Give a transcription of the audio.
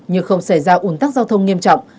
như không xảy ra ủn tắc giao thông nghiêm trọng